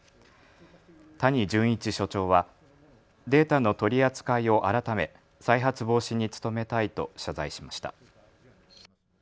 谷潤一所長はデータの取り扱いを改め、再発防止に努めたいと謝罪しました。